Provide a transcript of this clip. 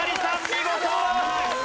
見事！